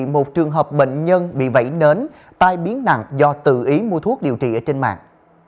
một trường hợp bệnh nhân bị vẩy nến tai biến nặng do tự ý mua thuốc điều trị ở trên mạng